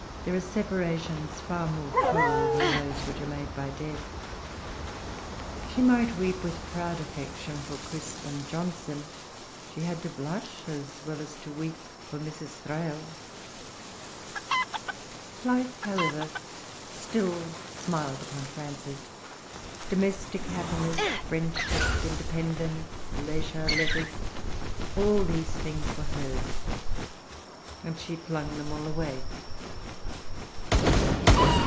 There are separations far more cruel than those which are made by death. She might weep with proud affection for Crisp and Johnson. She had to blush as well as to weep for Mrs. Thrale.[Pg 356] Life, however, still smiled upon Frances. Domestic happiness, friendship, independence, leisure, letters, all these things were hers; and she flung them all away.